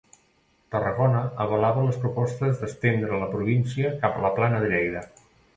Tarragona avalava les propostes d'estendre la província cap a la plana de Lleida.